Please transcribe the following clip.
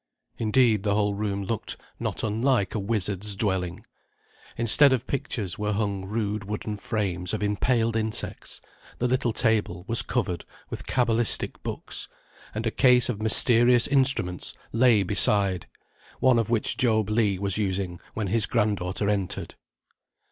Indeed, the whole room looked not unlike a wizard's dwelling. Instead of pictures were hung rude wooden frames of impaled insects; the little table was covered with cabalistic books; and a case of mysterious instruments lay beside, one of which Job Legh was using when his grand daughter entered.